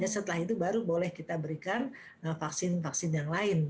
setelah itu baru boleh kita berikan vaksin vaksin yang lain